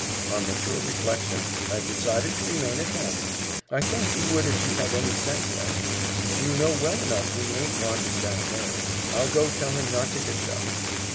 "On mature reflection, I have decided to remain at home." "I thought you would if you had any sense left. You know well enough we aint wanted down there. I'll go tell him not to hitch up."